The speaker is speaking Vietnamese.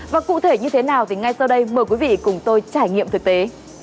và cụ thể như thế nào thì ngay sau đây mời quý vị cùng tôi trải nghiệm thực tế